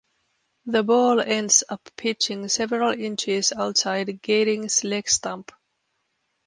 The ball ends up pitching several inches outside Gatting's leg stump.